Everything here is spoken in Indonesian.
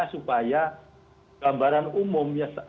supaya gambaran umum atau opini umum